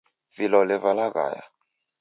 Vilole valaghaya.